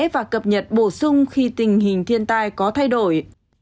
và cập nhật bổ sung khi tình hình thiên tai có thay đổi